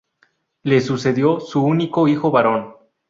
Le sucedió su único hijo varón.